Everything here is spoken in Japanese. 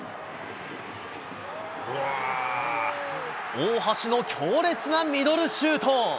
大橋の強烈なミドルシュート。